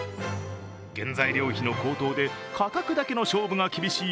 原材料費の高騰で価格だけの勝負が厳しい